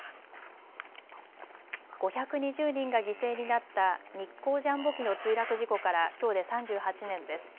５２０人が犠牲になった日航ジャンボ機の墜落事故からきょうで３８年です。